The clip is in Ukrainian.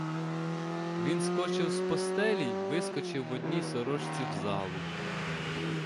Він скочив з постелі й вискочив в одній сорочці в залу.